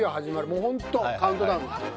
もうホントカウントダウンが。